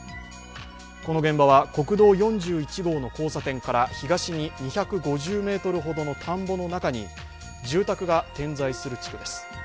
この現場は国道４１号の交差点から東に２５０ｍほどの住宅が点在する地区です。